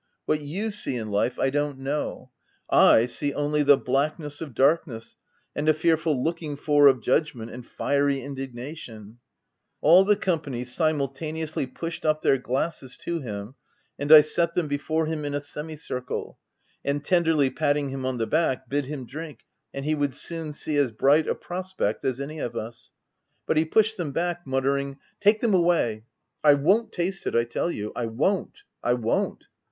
What you see in life I don't know —/ see only the blackness of darkness and a fearful looking for of judgment and fiery indignation !' u All the company simultaneously pushed up their glasses to him, and I set them before him in a semicircle, and, tenderly patting him on the back, bid him drink and he would soon see as bright a prospect as any of us ; but he pushed them back, muttering, — OF WILDFELL HALL, 47 € f i Take them away ! I won't taste it, I tell you — I won't — I won't